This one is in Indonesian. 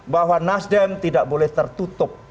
bahwa nasdem tidak boleh tertutup